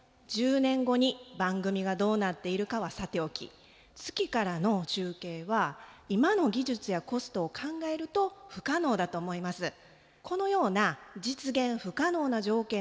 １０年後に番組がどうなっているかはさておき月からの中継は今の技術やコストを考えると不可能だと思います。